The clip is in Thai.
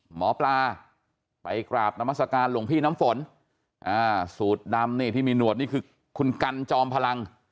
หมอปลาไปกราบนามัศกาลหลวงพี่น้ำฝนสูตรดำนี่ที่มีหนวดนี่คือคุณกันจอมพลัง